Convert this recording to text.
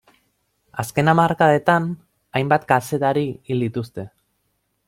Azken hamarkadetan hainbat kazetari hil dituzte.